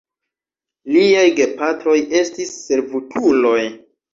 Liaj gepatroj estis servutuloj.